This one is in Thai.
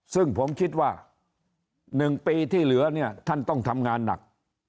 ซึ่งผมคิดว่า๑ปีที่เหลือเนี่ยท่านต้องทำงานหนัก